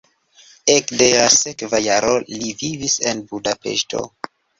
Ekde la sekva jaro li vivis en Budapeŝto.